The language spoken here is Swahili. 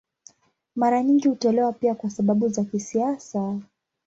Mara nyingi hutolewa pia kwa sababu za kisiasa.